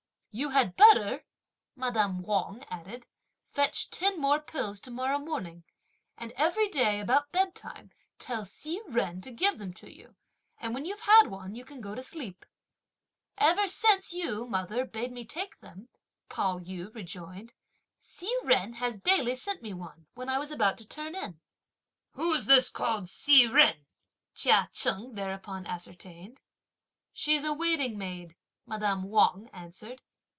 "You had better," madame Wang added, "fetch ten more pills tomorrow morning; and every day about bedtime tell Hsi Jen to give them to you; and when you've had one you can go to sleep!" "Ever since you, mother, bade me take them," Pao yü rejoined, "Hsi Jen has daily sent me one, when I was about to turn in." "Who's this called Hsi Jen?" Chia Chen thereupon ascertained. "She's a waiting maid!" madame Wang answered.